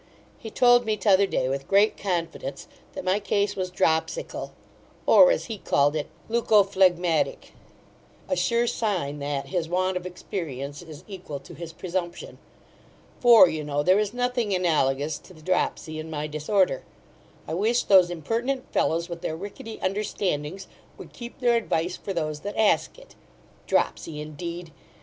He told me t'other day, with great confidence, that my case was dropsical; or, as he called it, leucophlegmatic: A sure sign, that his want of experience is equal to his presumption for, you know, there is nothing analogous to the dropsy in my disorder I wish those impertinent fellows, with their ricketty understandings, would keep their advice for those that ask it. Dropsy, indeed!